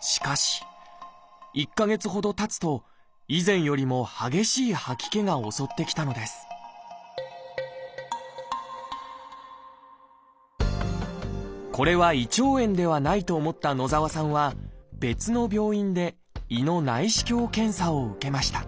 しかし１か月ほどたつと以前よりも激しい吐き気が襲ってきたのですこれは胃腸炎ではないと思った野澤さんは別の病院で胃の内視鏡検査を受けました